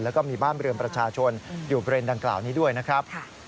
แล้วก็มีบ้านเรือนประชาชนอยู่บริเวณดังกล่าวนี้ด้วยนะครับ